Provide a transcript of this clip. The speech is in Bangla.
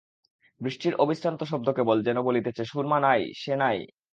বৃষ্টির অবিশ্রান্ত শব্দ কেবল যেন বলিতেছে, সুরমা নাই–সে নাই।